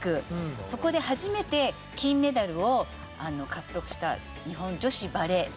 そこで初めて金メダルを獲得した日本女子バレー。